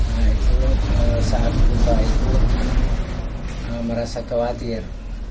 nah itu saat buka itu merasa khawatir